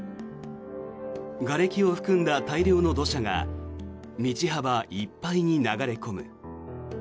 がれきを含んだ大量の土砂が道幅いっぱいに流れ込む。